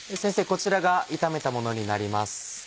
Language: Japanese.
こちらが炒めたものになります。